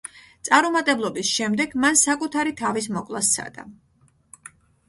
წარუმატებლობის შემდეგ მან საკუთარი თავის მოკვლა სცადა.